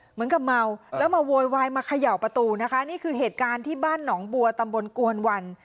เหมือนกับเมาแล้วมาโวยวายมาเขย่าประตูนะคะนี่คือเหตุการณ์ที่บ้านหนองบัวตำบลกวนวัน